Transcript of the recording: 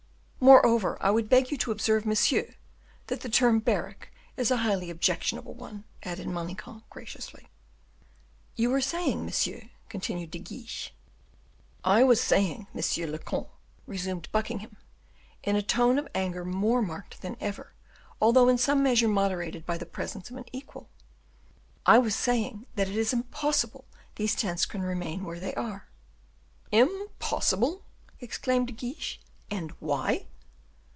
"Moreover, I would beg you to observe, monsieur, that the term 'barrack' is a highly objectionable one!" added Manicamp, graciously. "You were saying, monsieur " continued De Guiche. "I was saying, monsieur le comte," resumed Buckingham, in a tone of anger more marked than ever, although in some measure moderated by the presence of an equal, "I was saying that it is impossible these tents can remain where they are." "Impossible!" exclaimed De Guiche, "and why?"